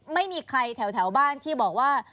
ไม่มีใครแถวบ้านที่บอกว่า